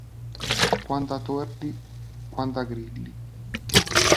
Quando a tordi, quando a grilli.